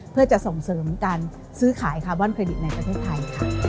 เพื่อจะส่งเสริมการซื้อขายคาร์บอนเครดิตในประเทศไทยค่ะ